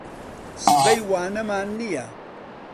سبەی وانەمان نییە.